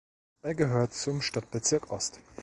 Er gehört zum Stadtbezirk Ost.